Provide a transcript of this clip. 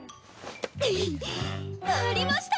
ありました！